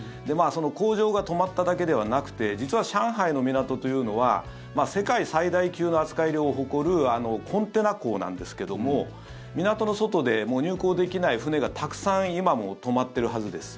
工場が止まっただけではなくて実は上海の港というのは世界最大級の扱い量を誇るコンテナ港なんですけども港の外で入港できない船がたくさん今も止まってるはずです。